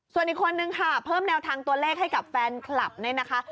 ส่วนอีกคนนึงค่ะเพิ่มแนวทางตัวเลขให้กับแฟนคลับเนี่ยนะคะ